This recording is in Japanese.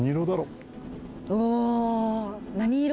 お何色？